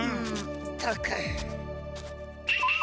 ったく。